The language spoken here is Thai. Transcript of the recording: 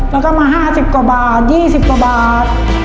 แล้วก็มาห้าสิบกว่าบาทยี่สิบกว่าบาท